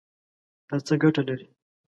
دا څه ګټه لري؟